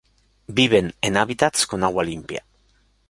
Viven en hábitats con agua limpia.